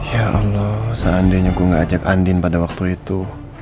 ya allah seandainya gue gak ajak andin pada waktu itu